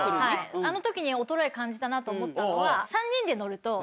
あの時に衰え感じたなと思ったのは３人で乗ると。